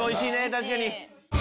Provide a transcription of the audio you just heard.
確かに。